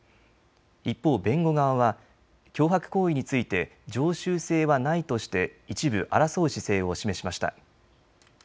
一方、弁護側は脅迫行為について常習性はないとして一部争う姿勢を示しました。